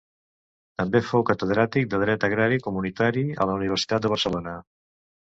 També fou catedràtic de dret agrari comunitari a la Universitat de Barcelona.